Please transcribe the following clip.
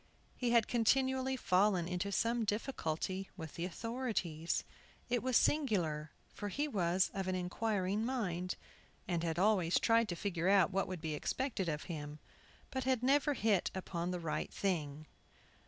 He had continually fallen into some difficulty with the authorities. It was singular, for he was of an inquiring mind, and had always tried to find out what would be expected of him, but had never hit upon the right thing.